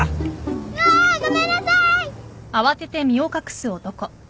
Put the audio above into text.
うわごめんなさい！